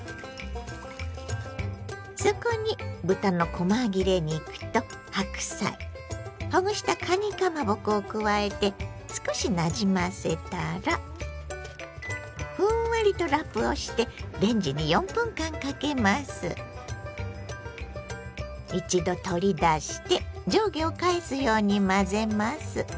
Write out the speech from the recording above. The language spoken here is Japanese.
そこに豚のこま切れ肉と白菜ほぐしたかにかまぼこを加えて少しなじませたらふんわりとラップをして一度取り出して上下を返すように混ぜます。